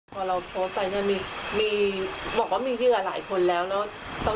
พอเราโพสต์ไปเนี่ยมีบอกว่ามีเหยื่อหลายคนแล้วแล้ว